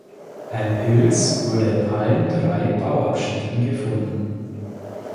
Ein Pilz wurde in allen drei Bauabschnitten gefunden.